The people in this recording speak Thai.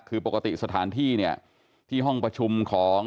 คือปกติสถานที่เนี่ยที่ห้องประชุมของ